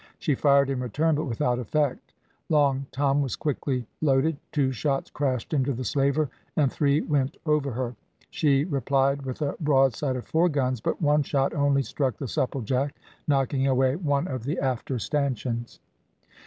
She fired in return, but without effect. Long Tom was quickly loaded; two shots crashed into the slaver, and three went over her. She replied with a broadside of four guns, but one shot only struck the Supplejack, knocking away one of the after stanchions.